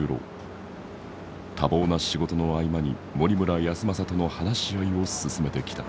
多忙な仕事の合間に森村泰昌との話し合いを進めてきた。